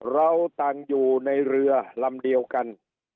เราต่างอยู่ในเรือลำเดียวกัน